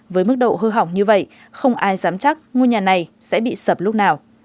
với mức độ hư hỏng như vậy không ai dám chắc ngôi nhà này sẽ bị sập lúc nào